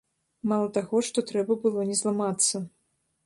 Мала таго, што трэба было не зламацца.